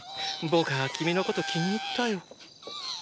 僕ァ君のこと気に入ったよ。